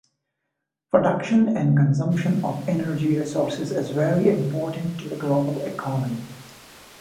Production and consumption of energy resources is very important to the global economy.